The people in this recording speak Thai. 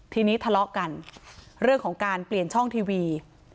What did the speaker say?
ทีนี้ทะเลาะกันเรื่องของการเปลี่ยนช่องทีวี